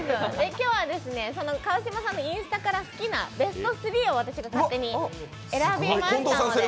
今日は川島さんのインスタから好きなベスト３を勝手に選びましたので。